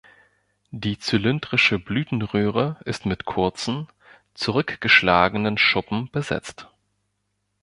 Die zylindrische Blütenröhre ist mit kurzen, zurückgeschlagenen Schuppen besetzt.